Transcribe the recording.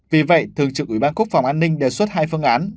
vì vậy thường trực ủy ban quốc phòng an ninh đề xuất hai phương án